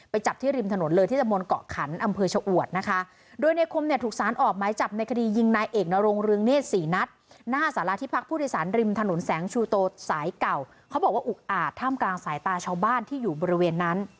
ใต้ความกลางสายตาชาวบ้านที่อยู่บริเวณนั้น